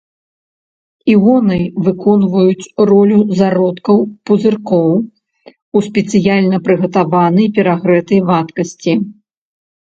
Іоны выконваюць ролю зародкаў пузыркоў у спецыяльна прыгатаванай перагрэтай вадкасці.